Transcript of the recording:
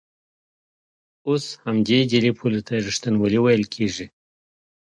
اوس همدې جعلي پولو ته ریښتینولي ویل کېږي.